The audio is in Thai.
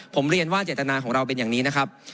ผมเรียนว่าเจตนาของเราเป็นอย่างนี้นะครับ